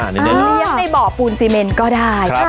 เลี้ยงในบ่อปูนซีเมนก็ได้